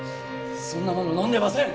そんなもの飲んでません！